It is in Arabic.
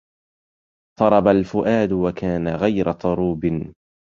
طرب الفؤاد وكان غير طروب